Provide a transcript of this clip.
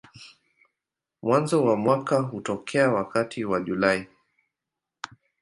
Mwanzo wa mwaka hutokea wakati wa Julai.